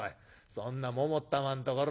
そんなももったまんところ。